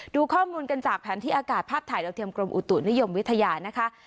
ดูข้อมูลกันจากแผนที่อากาศภาพถ่ายดาวเทียมกรมอุตุนิยมวิทยานะคะ